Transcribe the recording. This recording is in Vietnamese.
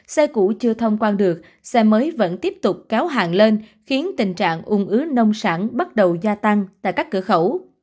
xe cũ chưa thông quan được xe mới vẫn tiếp tục kéo hàng lên khiến tình trạng ung ứ nông sản bắt đầu gia tăng tại các cửa khẩu